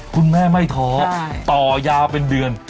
คุณแม่ไม่ท้อต่อยาวเป็นเดือน